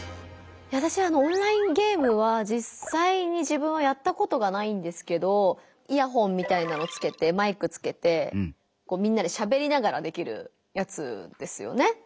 わたしはオンラインゲームはじっさいに自分はやったことがないんですけどイヤホンみたいなのつけてマイクつけてみんなでしゃべりながらできるやつですよね。